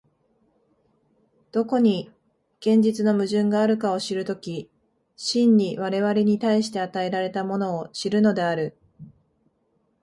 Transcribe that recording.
どこに現実の矛盾があるかを知る時、真に我々に対して与えられたものを知るのである。